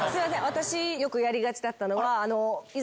私よくやりがちだったのは。